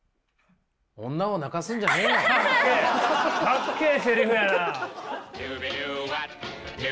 女を泣かすんじゃねえよ。かっけえ！